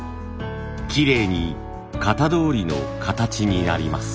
きれいに型どおりの形になります。